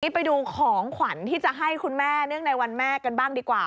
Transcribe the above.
ไปดูของขวัญที่จะให้คุณแม่เนื่องในวันแม่กันบ้างดีกว่า